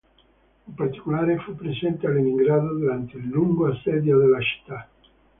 In particolare fu presente a Leningrado durante il lungo assedio della città.